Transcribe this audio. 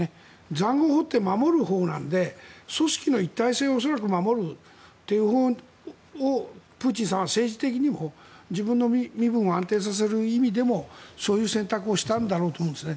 塹壕を掘って守るほうなんで組織の一体性を恐らく守るというほうをプーチンさんは、政治的にも自分の身分を安定させる意味でもそういう選択をしたんだろうと思うんですね。